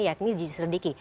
yakni di jisrediki